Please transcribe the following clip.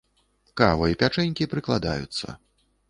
Кава і пячэнькі прыкладаюцца.